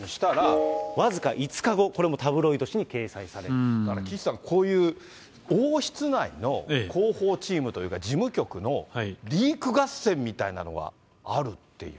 僅か５日後、これもタブロイだから岸さん、こういう王室内の広報チームというか、事務局のリーク合戦みたいなのがあるっていう。